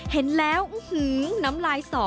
เห็นแล้วอื้อหือน้ำลายสอ